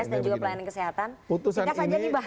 tingkat saja nih mbak